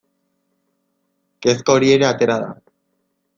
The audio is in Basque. Kezka hori ere atera da.